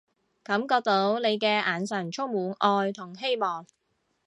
感覺到你嘅眼神充滿愛同希望